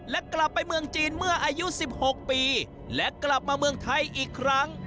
และกลับไปเมืองจีนเมื่ออายุ๑๖ปีและกลับมาเมืองไทยอีกครั้ง